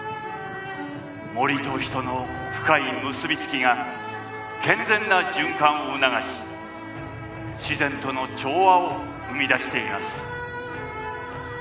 森と人の深い結び付きが健全な循環を促し自然との調和を生み出しています。